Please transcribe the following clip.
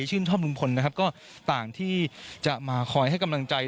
ชื่นทอบลุมพลก็ต่างที่จะมาคอยให้กำลังใจ